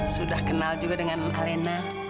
sudah kenal juga dengan alena